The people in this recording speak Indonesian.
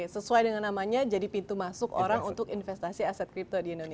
sesuai dengan namanya jadi pintu masuk orang untuk investasi aset kripto di indonesia